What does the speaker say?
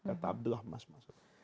kata abdullah ibnu mas'ud